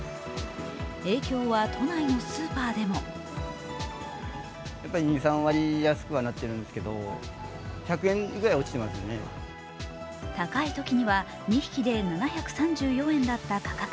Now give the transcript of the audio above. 影響は都内のスーパーでも高いときには２匹で７３４円だった価格。